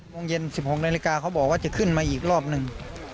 โมงเย็น๑๖นาฬิกาเขาบอกว่าจะขึ้นมาอีกรอบหนึ่ง